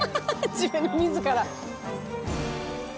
自分自ら？